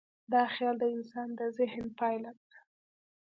دا خیال د انسان د ذهن پایله ده.